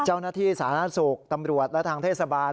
เจ้าหน้าที่สาธารณสุขตำรวจและทางเทศบาล